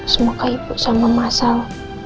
semoga ibu sama masal